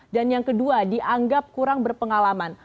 dan yang kedua dianggap kurang berpengalaman